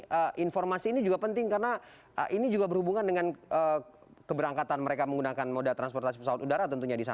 jadi informasi ini juga penting karena ini juga berhubungan dengan keberangkatan mereka menggunakan moda transportasi pesawat udara tentunya